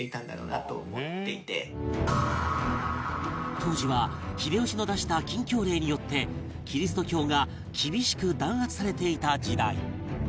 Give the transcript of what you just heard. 当時は秀吉の出した禁教令によってキリスト教が厳しく弾圧されていた時代